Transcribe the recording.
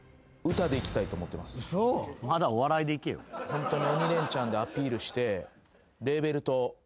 ホントに。